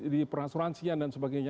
di peransuransian dan sebagainya